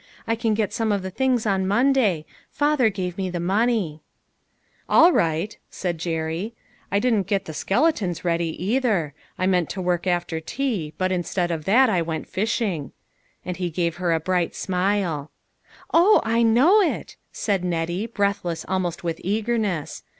I can get some of the things on Monday. Father gave me money." 142 LITTLE FISHERS : AND THEIB NETS. " All right," said Jerry ;" I didn't get the skeletons ready, either ; I meant to work after tea, but instead of that I went fishing." And he gave her a bright smile. " Oh ! I know it," said Nettie, breathless almost with eagerness.